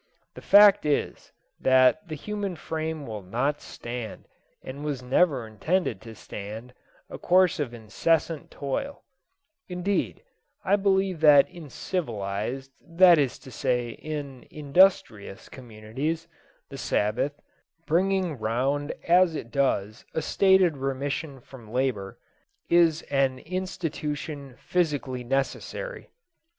The fact is, that the human frame will not stand, and was never intended to stand, a course of incessant toil; indeed, I believe that in civilized that is to say, in industrious communities, the Sabbath, bringing round as it does a stated remission from labour, is an institution physically necessary.